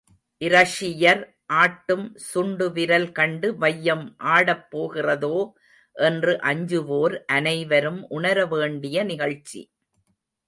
இரஷியர் ஆட்டும் சுண்டு விரல் கண்டு வையம் ஆடப் போகிறதோ என்று அஞ்சுவோர் அனைவரும் உணர வேண்டிய நிகழ்ச்சி.